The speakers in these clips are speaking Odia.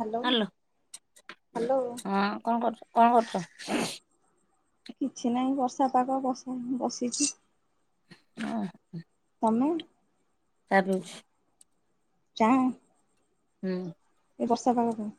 ହ୍ୟାଲୋ ହାଲୋ ହ୍ୟାଲୋ ହଁ କଣ କରଚ? କଣ କରୁଚ। କିଛି ନାହିଁ ବର୍ଷା ପାଗ ବଷା ବସିଚି। ଅ ହ। ତମେ? ଚା ପିଉଚି। ଚା। ହୁଁ। ଏ ବର୍ଷା ପାଗରେ?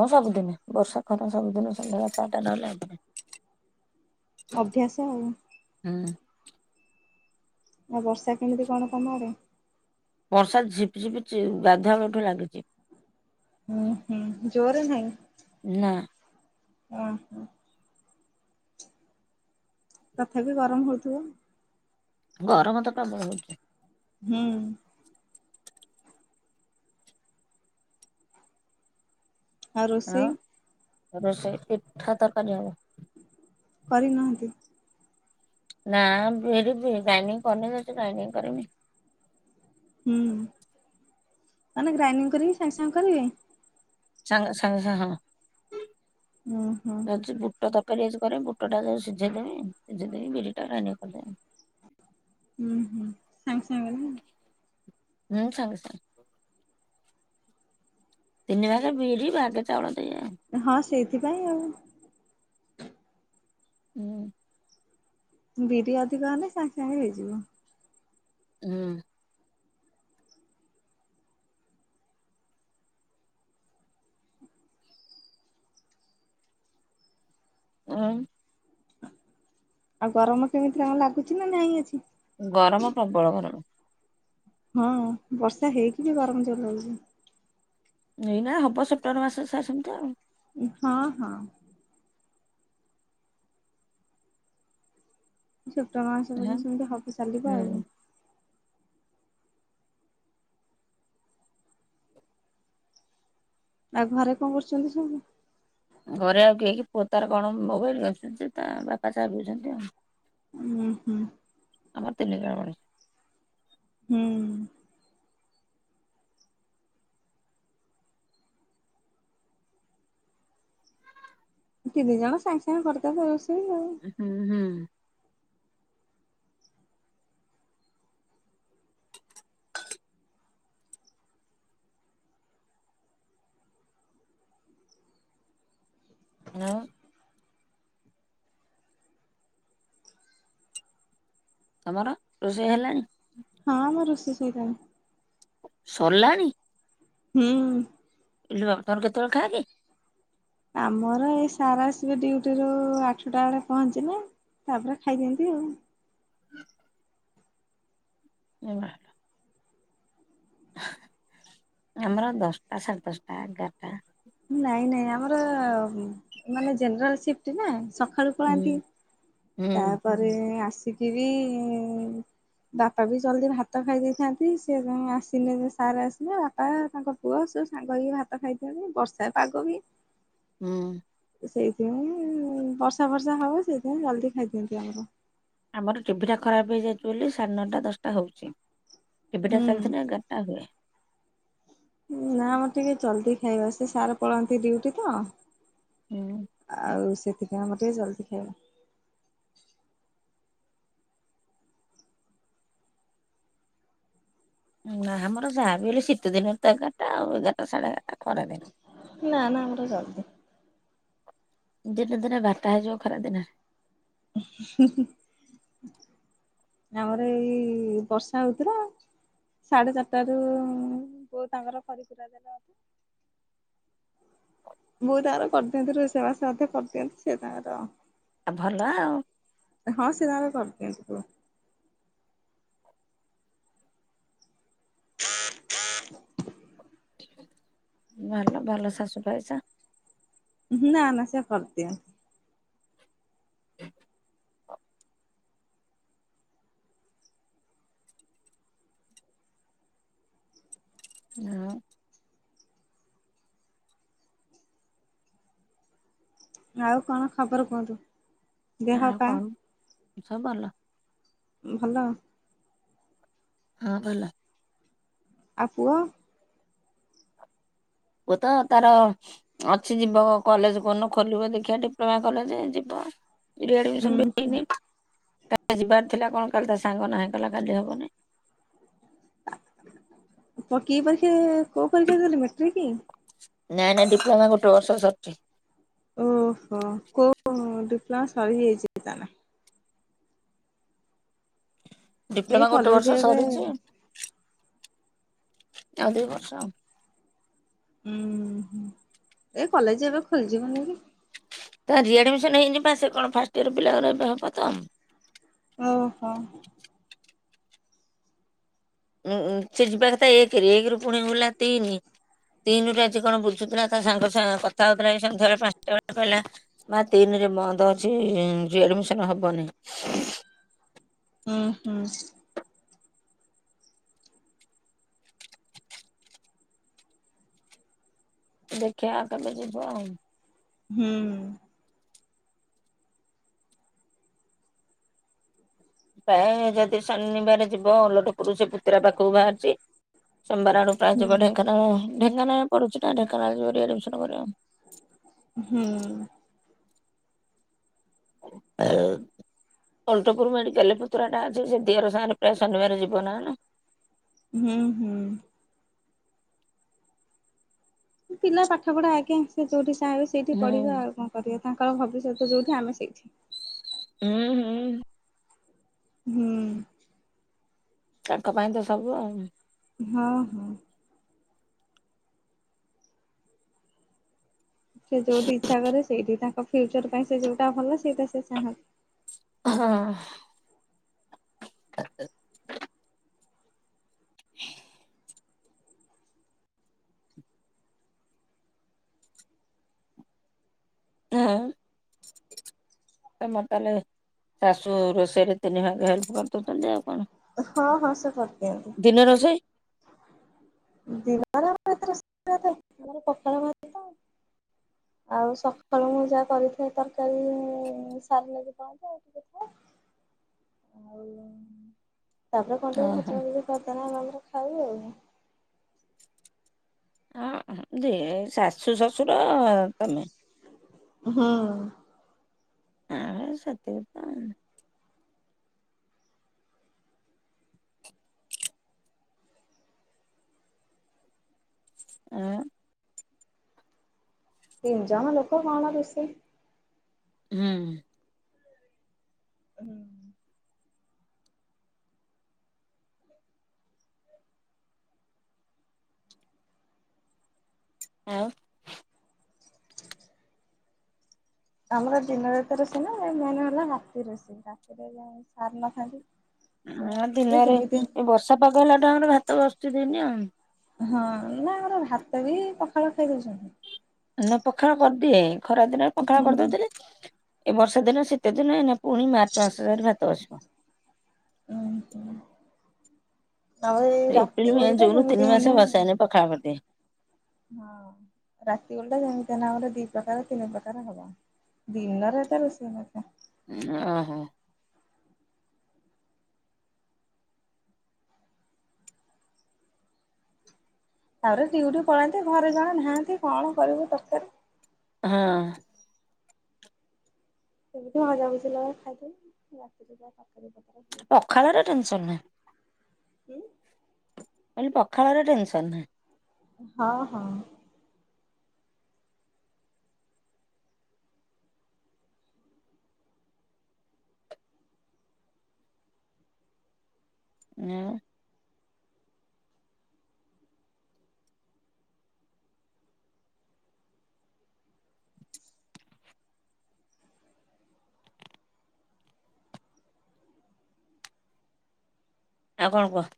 ହଁ ସବୁଦିନେ ବର୍ଷା ଖରା ସବୁଦିନେ ସନ୍ଧ୍ୟାବେଳେ ଚା ଟା ନ ହେଲେ। ଅଭ୍ୟାସ ଆଉ। [inaudible] ଆ ବର୍ଷା କେମିତି କଣ ତମ ଆଡେ? ବର୍ଷା ଝିପ ଝିପ ଜି ଗାଧୁଆବେଳଠୁ ଲାଗିଚି। ହୁଁ ହୁଁ ଜୋରରେ ନାହିଁ। ନା। ଅ ହୋ। ତଥାପି ଗରମ ହଉଥିବ। ଗରମ ତ ପ୍ରବଳ ହଉଚି। ହୁଁ। ଆଉ ରୋଷେଇ? ରୋଷଇ ପିଠା ତରକାରୀ ହବ। କରିନାହାନ୍ତି। ନା ବିରି ବି ଗ୍ରାଇଣ୍ଡିଙ୍ଗ କରିନି ଯାଉଚି ଗ୍ରାଇଣ୍ଡିଙ୍ଗ କରିବି। ହୁଁ, ମାନେ ଗ୍ରାଇଡିଙ୍ଗ କରିକି ସାଙ୍ଗେ ସାଙ୍ଗେ କରିବେ? ସାଙ୍ଗେ ସଙ୍ଗେ ହଁ। ଉଁ ହୁଁ। ଯାଉଛି ବୁଟ ତରକାରୀ ସବୁ କରବି ବୁଟ ଟା ଯଉ ସିଝେଇଦେବି ସିଝେଇଦେଇ ବିରି ଟା ଗ୍ରାଇଣ୍ଡିଙ୍ଗ କରିଦେବି। ହୁଁ ହୁଁ ସାଙ୍ଗେ ସାଙ୍ଗେ ହେଲା। ହୁଁ ସାଙ୍ଗେ ସାଙ୍ଗେ। ତିନି ଭାଗେ ବିରି, ଭାଗେ ଚାଉଳ ଦେଇ ଆଉ ହଁ, ସେଇଥିପାଇଁ ଆଉ। [unintelligible] ବିରି ଅଧିକ ଆଣିଲେ ସାଙ୍ଗେ ସାଙ୍ଗେ ହେଇଯିବ। ଉଁ। ଆଉ? ଆଉ ଗରମ କେମିତି କଣ୍ ଲାଗୁଛି ନା ନାଇଁ ଆଜି? ଗରମ ପ୍ରବଳ ଗରମ। ହଁ ବର୍ଷା ହେଇକି ବି ଗରମ ଜୋରେ ହଉଛି। ଏଇନା ହବ, ସେପ୍ଟେମ୍ବର ମାସ ଯାଏ ସେମିତି ଆଉ। ହଁ, ହଁ। ସେପ୍ଟେମ୍ବର ମାସ ପର୍ଯ୍ୟନ୍ତ ହଁ ସେମିତି ହବ ଚାଲିବ ଆଉ। ହୁଁ ଆଉ ଘରେ କଣ କରୁଛନ୍ତି ସବୁ? ଘରେ ଆଉ କିଏ କି ପୁଅ ତାର କଣ ମୋବାଇଲ ଦେଖୁଚି ତା ବାପା ଚାହା ପିଉଛନ୍ତି ଆଉ। ହୁଁ, ହୁଁ। [unintelligible] ହୁଁ। ତିନି ଜଣ ସାଙ୍ଗେ, ସାଙ୍ଗେ କରିଦେବେ ଆଉ। ହୁଁ ହୁଁ। ନା ମ। ତମର, ରୋଷେଇ ହେଲାଣି? ହଁ, ହଁ, ରୋଷେଇ ସରିଲାଣି। ସରିଲାଣିି? ହୁଁ। ଇଲୋ ବାପା, ତମର କେତେବେଳେ ଖାଅ କି? ଆମର ଏଇ ସାର ଆସିବେ ଡିୟୁଟିରୁ ଆଠଟା ବେଳେ ପହଞ୍ଚିବେ। ତାପରେ ଖାଇଦିଅନ୍ତି ଆଉ। [unintelligible] ଆମର ଦଶଟା, ସାଢେ ଦଶଟା, ଏଗାରଟା। ନାଇଁ, ନାଇଁ ଆମର ମାନେ ଜେନେରାଲ ସିଫ୍ଟ ନା ସ ସଖାଳୁ ପଳାନ୍ତି, ହୁଁ ହୁଁ ତାପରେ ଆସିକିରି ବାପା ବି ଜଲ୍ଦି ଭାତ ଖାଇ ଦେଇେଇଥାନ୍ତି, ସେ ତାଙ୍କ ଆସିଲେ ସାର୍ ଆସିଲେ ବାପା ତାଙ୍କ ପୁଅ ସ ସାଙ୍ଗ ହେଇକି ଭାତ ଖାଇଥାନ୍ତି, ବର୍ଷା ପାଗ ବି। ହୁଁ। ସେଇଥିପାଇଁ ବର୍ଷା ଫର୍ଷା ହବ ସେଇଥିପାଇଁ ଜଲଦି ଖାଇଦିଅନ୍ତି ଆମର। ଆମର ଟିଭି ଟା ଖରାପ ହେଇଯାଇଛି ବୋଲି ସାଢ଼େ ନଅଟା, ଦଶଟା ହଉଛି। ଟିଭିି ଟା ହୁଁ ଚାଲିଥିଲେ ଏଗରଟା ହୁଏ। ନା ଆମର ଟିକେ ଚଲଦି ଖାଇବା, ସେ ସାର ପଳାନ୍ତି ଡିଉଟି ତ। ହୁଁ ଆଉ ସେଥିପାଇଁ ଆମର ଟିକେ ଜଲଦି ଖାଇବା। ନା ଆମର ଯାହାବି ହେଲେ ଶୀତ ଦିନରେ ତ ଏଗାରଟା ଆଉ, ଏଗାରଟା ସାଢେ, ଏଗାରଟା। ଖରା ଦିନ ନା, ନା ଆମର ଜଲଦି। ଦିନେ, ଦିନେ ବାରଟା ହେଇଯିବ, ଖରା ଦିନେ। ଆମର ଏଇ ବର୍ଷା ହେଉଥିଲା। ସାଢେ ଚାରିଟା ରୁ ତାଙ୍କର କରିକୁରା ଦେଲେ। ବହୁତ ଆଗରୁ କରିଦିଅନ୍ତି। ରୋଷେଇବାସ ମଧ୍ୟ କରିଦିଅନ୍ତି। ସେ ତାଙ୍କର ଆ ଭଲ ଆଉ। ହଁ ସେ ତାଙ୍କର କରି ଦିଅନ୍ତି। [inaudible] ଭଲ ଭଲ ଶାଶୁ ପାଇଛ। ନା ନା ସେ କରିଦିଅନ୍ତି। ହ ହଁ। ଆଉ କଣ ଖବର କୁହନ୍ତୁ? ଦେହ ଆଉ ପା କଣ ସବୁ ଭଲ ଭଲ। ହଁ ଭଲ। ଆଉ ପୁଅ ଓ ତ ତାର ଅଛି ଯିବ କଲେଜ କନ ଖୋଲିବ ଦେଖିବା ଡିପ୍ଲୋମା କଲେଜ ଯିବ। ରିଆଡମିସନ୍ ଉଁ ବିି କାଲି ଯିବାର ଥିଲା କଣ କାଲି ତା ସାଙ୍ଗ ନାହିଁ କଲା କାଲି ହବନି। କି ପରୀକ୍ଷା କୋଉଁ ପରୀକ୍ଷା ଦେଲେ ମେଟ୍ରିକ କି? ନାଇଁ ନାଇଁ ଡିପ୍ଲୋମା ଗୋଟେ ବର୍ଷ ସରିଛି। ଓହୋ କୋଉଁ ଡିପ୍ଲୋମା ସରିଯାଇଛି ତାର। ଏ ଡିପ୍ଲୋମା ଗୋଟେ କଲେଜ ବର୍ଷ ଏବେ ସରିଛି। ଆଉ ଦିଇ ବର୍ଷ। ହଁ ହଁ ଏ କଲେଜ ଏବେ ଖୋଲି ଯିବନିକି। ତି ରିଆଡମିସନ ହେଇନି ପା ସେ କଣ ଫାଷ୍ଟ ଇୟର ପିଲାଙ୍କର ଏବେ ହବ ତ। ଓହୋ। ଉଁ ସେ ଯିବା କଥା ଏକେରେ ଏକେ ରୁ ପୁଣି ବୁଲା ତିନି ତିନି ର ଆଜି କଣ ବୁ ସୁଦୁର ତା ସାଙ୍ଗ ସାଙ୍ଗ କଥା ହଉଥିଲା ସନ୍ଧ୍ୟାବେଳେ ପାଞ୍ଚଟା ବେଳେ କହିଲା ବା ତିନିରେ ବନ୍ଦ ଅଛି, ଆଡମିସନ ହବନି। ହୁଁ ହୁଁ। ଦେଖିବା ଆଉ କେବେ ଯିବ ଆଉ। ହୁଁ। ପ୍ରାୟ ଯଦି ଶନିବାର ଯିବ ଅଲଟପରୁ ସେ ପୁତୁରା ପାଖକୁ ବାହାରିଛି। ସୋମବାର ଆଡୁୁରା ହୁଁ ଯିବ ଢେଙ୍କାନାଳ ଢେଙ୍କାନାଳ ପଡୁଛି ନା ଢେଙ୍କାନାଳରେ ରିଆଡିମିସନ୍ ହୁଁ। ଏଅ ଓଲଟପୁରରୁ ମେଡ଼ିକଲେ ପତୁରାଟା ଅ ସେ ଦିଅର ସାଙ୍ଗରେ ଫେର ଶନିବାରେ ଯିବ ନହେଲେ। ହୁଁ ହୁଁ। ପିଲା ପାଠ ପଢା ଆଜ୍ଞା ସେ ଯୋଉଁଠି ଚାହିଁବେ ସେଇଠି ହୁଁ ପଢିବା ଆଉ କଣ କରିବା ତାଙ୍କର ଭବିଷ୍ୟତ ଯୋଉଁଠି ଆମେ ସେଇଠି। ହୁଁ ହୁଁ। ହୁଁ। ତାଙ୍କ ପାଇଁ ତ ସବୁ ଆଉ ହଁ ହଁ। ସେ ଯୋଉଁଠି ଇଚ୍ଛା କରିବେ ସେଇଠି ତାଙ୍କ ଫ୍ୟୁଚର ପାଇଁ ସେ ଯୋଉଁଟା ଭଲ ସେଇଟା ସେ ଚାହାନ୍ତି। ହଁ। [inaudible] ହେଏ। ହଁ। ତମ ତାହେଲେ ଶାଶୁ ରୋଷେଇରେ ତିନି ଭାଗ ହେଲ୍ପ କରିଦଉଛନ୍ତି ଆଉ କଣ? ହଁ ହଁ ସେ କରିଦିଅନ୍ତିୁ। ଦିନ ରୋଷେଇ ଦିଆର ଏ [unintelligible] ଆମର ପଖାଳ ଭାତ। ଆଉ ସକାଳୁ ମୁଁ ଯାହା କରିଥାଏ, ତରକାରୀ ସାରିଲାଗି ପନ୍ତି ଆଉ ଟିକେ ଥାଏ। ଆଉ? ତାପରେ କଣ ଓହୋ ଟିକେ ଭଯା ଫଜା କରିଦେଲେ ନାରେ ଖାଇବେ ଆଉ। ଆଉ ଶାଶୁ ଶଶୁର ତମେ? ହଁ। ଆଉ ସେତିକି ତ। ଆ ତିନ ଜଣ ଲୋକ କଣ ରୋଷେଇ ହୁଁ। ହୁଁ। ଆଉ? ଆମର ଦିନରେ ତ ରୋଷିଇ ନାଇ ମେନ୍ ହେଲା ରାତି ରୋଷି ରାତିରେ ଯ ସାର ନଥାନ୍ତି। ସେ ହ ଆସିଲେ ଦିନରେ ଯେମିତି ଏ ବର୍ଷା ପାଗ ହେଲା ଠୁ ଆମର ଭାତ ବସୁଚି ଦିନି ଆଉ। ହଁ ନା ଆମର ଭାତ ବି ପଖାଳ ଖାଇ ଦଉଚନ୍ତି। ନା ପଖାଳ କରିଦିଏ ଖରା ଦିନରେ ପଖାଳ ହୁଁ। କରିଦଉଥିଲି। ଏ ବର୍ଷା ଦିନ ଶୀତ ଦିନ ଏଇନା ପୁଣି ମାର୍ଚ୍ଚ ମାସରେ ଭାତ ବସିବ। ଓ ହ। ଏପ୍ରିଲ ମେ ଜୁନ ଯେମିତି ତିନି ହେଲେ ମାସେ ବସାଇନା ପଖାଳ କରିଦିଏ। ହଁ ରାତି ଓଲଟା ଯେମିତି ନାଁରେ ଦି ପ୍ରକାର ତିନି ପ୍ରକାର ହବ। ଦିନରେତ ରୋଷେଇ ହେଇନଥିଲା। ଓହୋ। ତାପରେ ଦିଉଟିି ପଳାନ୍ତି ଘରେ ଜଣେ ନାହାନ୍ତି କଣ କରିବୁ ତରକାରୀ? ହଁ। ସେ ମନ ବୁଝିଲା ଭଳିଆ ଖାଇଦିଏ ରାତିରେ ଯାହା ହବ। ପଖାଳର ଟେନସନ ନାହିଁ। ହୁଁ। କାଲି ପଖାଳର ଟେନସନ ନାହିଁ। ହଁ ହଁ। ଆଉ? ଆଉ କଣ କୁହ?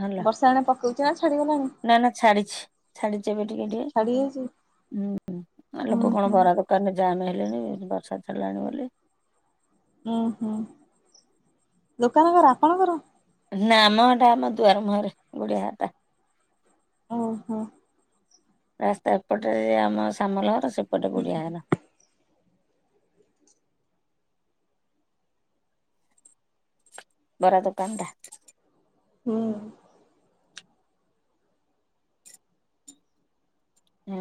ହେଲା ବର୍ଷା ଏଣେ ପକଉଛି ନା ଛାଡିଗଲାଣି? ନା ନା ଛାଡିଚି ଛାଡି ଟିକେ ଟିକେ ଛାଡି ଯାଇଛି ଟିକେ ହୁଁ ଆ ଲୋକ ଉଁ କଣ ହୁଁ ବରା ଦୋକାନରେ ଜାମ୍ ହେଲେଣି ବର୍ଷା। ଛାଡିଲାଣି ବୋଲି। ଉୁଁ ହୁଁ ଦୋକାନଙ୍କର ଆପଣଙ୍କର? ନା ମ ଏଟା ଆମ ଦୁଆର ମୁହରେ ଗୁଡ଼ିଆ ଘରଟା। ଓ ହୋ। ରାସ୍ତା ଏପଟେ ଆମ ସାମଲ ଘର ସେପଟେ ଗୁଡ଼ିଆ ଘର। ବରା ଦୁୋକାନ ଟା ହୁଁ। ହଁ।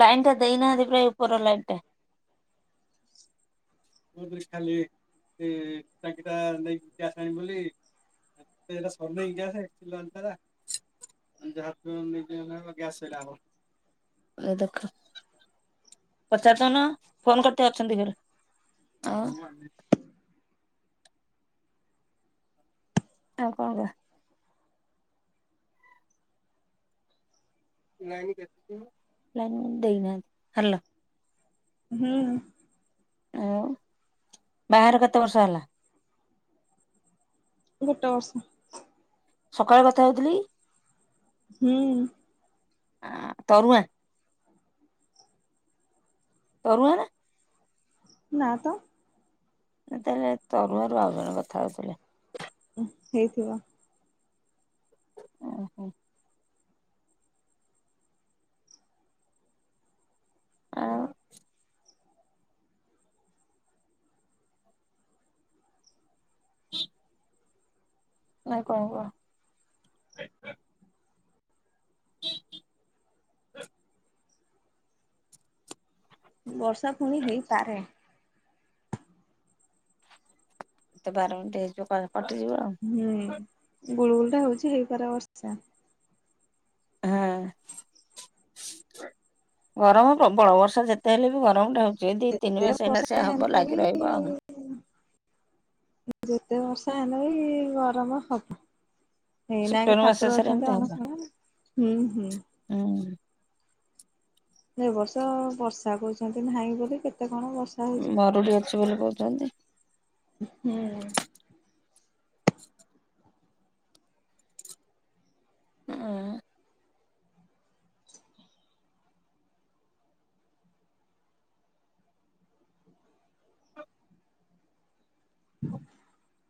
ଲାଇନ୍ ଟା ଦେଇନାହାନ୍ତି ପ୍ରାୟ ଉପରର ଲାଇନ୍ ଟା। [inaudible] ବ ଖାଲି ଏ ଟାଙ୍କିଟା ନେଇକି ଆସଣି ବୋଲି। ଏଇା ସର୍ଣଇସ ଆଲଟା [unintelligible] ଏଇ ଦେଖ। ପଚା ଜଣ ଫୋନ କରତେ ଅଛନ୍ତି ଘରେ ଆଉ ଆଉ କଣ ହେଲା? ଲାଇନ ଦେଇନାହାନ୍ତି ହାଲୋ। ହୁଁ। ଆଉ ବାହାଘର କେତେ ବର୍ଷ ହେଲା? ଗୋଟେ ବର୍ଷ। ସକାଳେ କଥା ହଉଥିଲି। ହୁଁ। ଆ ତରୁଆ ତରୁଆ ନା? ନା ତ? ତାହେଲେ ତରୁଆରୁ ଆଉ ଜଣେ କଥା ହଉଥିଲେ। ହେଇଥିବ। ଓହୋ। ଆଉ? [inaudible] ନାଇଁ କଣ କୁହ? ବର୍ଷା ପୁଣି ହେଇପାରେ। ଏତେ ବାର ମିନଟ ହେଇଯିବ କଟିଯିବ ଆଉ। ଗୁଳୁଗୁଳ ଟା ହଉଚି ହେଇପାର ବର୍ଷା। ହଁ। ଗରମ ପ୍ରବଳ ବର୍ଷା ଯେତେ ହେଲେ ବି ଗରମ ଟା ହଉ ଯେ ଦି ତିନି ଯେତେ ମାସ ହେଇନା ବର୍ଷା ସେଆ ହବ ହେଲେ ବି ଲାଗି ରହିବ ଆ। ଯେତେ ବର୍ଷା ହେଲେ ବି ଗରମ ହବ। ଏଇ ନାହିଁ ସେପ୍ଟେମ୍ବର ମାସ ଠାକୁର ଶେଷରେ ଅଛନ୍ତି ଏମିତି ହବ ଅଣଶଣରେ ନା ହୁଁ ହୁଁ। ହୁଁ ଏ ବର୍ଷ ବର୍ଷା କହୁଚନ୍ତି ନାହିଁ ବୋଲି କେତେ କଣ ବର୍ଷା ହଉଚି ମରୁଡି ଅଛି ବୋଲି କହୁଛନ୍ତି। ହୁଁ। [inaudible] ହ। [inaudible]